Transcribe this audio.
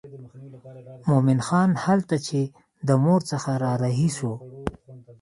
مومن خان هلته چې د مور څخه را رهي شو.